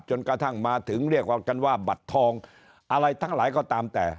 จนกระทั่งมาถึงเรียกว่ากันว่าบัตรทองอะไรทั้งหลายก็ตามแต่